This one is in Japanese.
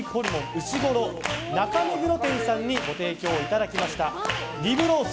うしごろ中目黒店さんにご提供いただいたリブロース